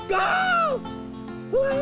うわ！